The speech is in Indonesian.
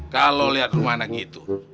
kalau lihat rumah anak itu